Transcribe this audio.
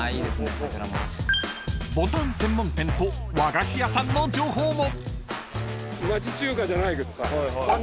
［ボタン専門店と和菓子屋さんの情報も］